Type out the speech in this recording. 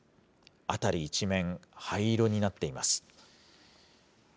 辺り一面、灰色になっています。